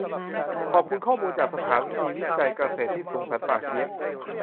ขอบคุณข้อมูลจาก สถานีวิจัยเกษตรที่สูงสันป่าเกี๊ยะ